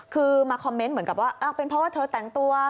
คือมาคอมเมนต์เหมือนกับว่าเป็นเพราะว่าเธอแต่งตัว